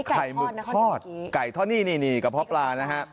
ไข่หมึกทอดไก่ทอดนี่กะพร้อปลานะฮะ